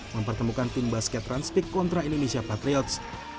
mempertemukan tim basket transpic kontra indonesia patriots